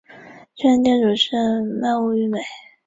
据点是首都艾尔甸。